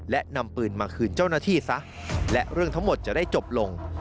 และเรื่องทั้งหมดจะได้จบลง